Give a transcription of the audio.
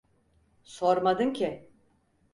Sormadın ki.